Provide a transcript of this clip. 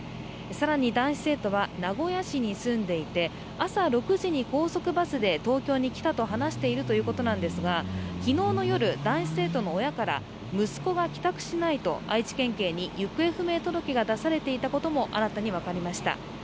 更に男子生徒は名古屋市に住んでいて朝６時に高速バスで東京に来たと話しているということなんですが、昨日の夜、男子生徒の親から息子が帰宅しないと、愛知県警に行方不明届が出されていたことも新たに分かりました。